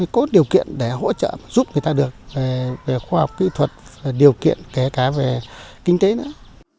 có điều kiện để hỗ trợ giúp người ta được về khoa học kỹ thuật điều kiện kể cả về kinh tế nữa